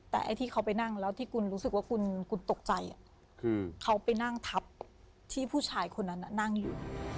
แต่ไอ้ที่เขาไปนั่งแล้วที่คุณรู้สึกว่าคุณตกใจคือเขาไปนั่งทับที่ผู้ชายคนนั้นนั่งอยู่